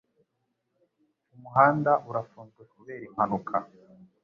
Umuhanda urafunzwe kubera impanuka.